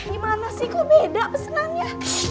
di mana sih kok beda pesenannya